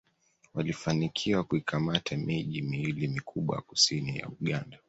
Walifanikiwa kuikamata miji miwili mikubwa ya kusini ya Uganda